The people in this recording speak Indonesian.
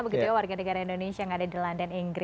begitu ya warga negara indonesia yang ada di london inggris